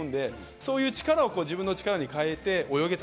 そういう力を自分の力に変えて泳げた。